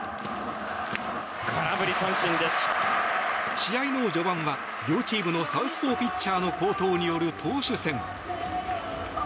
試合の序盤は両チームのサウスポーピッチャーの好投による投手戦。